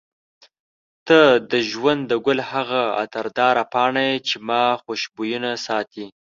ته د ژوند د ګل هغه عطرداره پاڼه یې چې ما خوشبوینه ساتي.